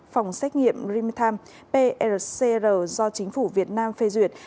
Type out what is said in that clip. phòng xét nghiệm rimtham prcr do chính phủ việt nam phê duyệt